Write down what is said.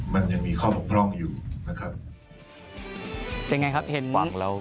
มันยังมีข้อผล่องอยู่นะครับเป็นไงครับ